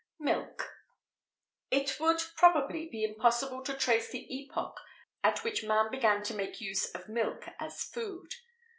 MILK. It would, probably, be impossible to trace the epoch at which man began to make use of milk as food.